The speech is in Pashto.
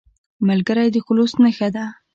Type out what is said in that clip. ملګری د خلوص نښه ده